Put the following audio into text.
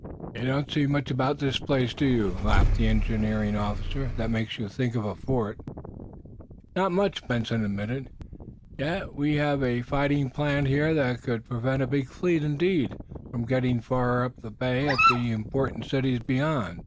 "You don't see much about this place, do you," laughed the engineer officer, "that makes you think of a fort?" "Not much," Benson admitted. "Yet we have a fighting plant here that could prevent a big fleet, indeed, from getting far up the bay at the important cities beyond.